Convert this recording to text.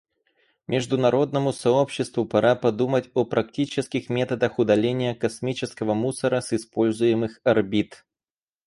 Международному сообществу пора подумать о практических методах удаления космического мусора с используемых орбит.